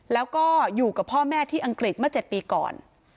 แล้วก็อยู่กับพ่อแม่ที่อังกฤษเมื่อ๗ปีก่อน